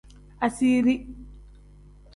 Asiiri.